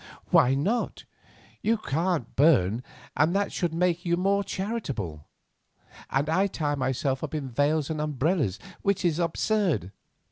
"Why not? You can't burn, and that should make you more charitable. And I tie myself up in veils and umbrellas, which is absurd.